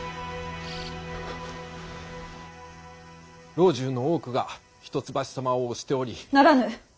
老中の多くが一橋様を推しており。